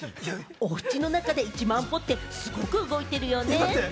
おうちの中で１万歩って、すごく動いてるよね。